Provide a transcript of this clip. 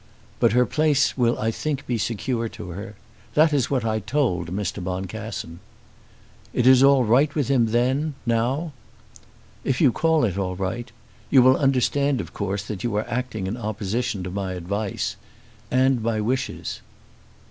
"But her place will I think be secure to her. That is what I told Mr. Boncassen." "It is all right with him then, now?" "If you call it all right. You will understand of course that you are acting in opposition to my advice, and my wishes."